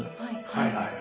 はいはい。